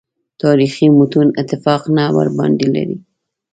تاریخي متون اتفاق نه ورباندې لري.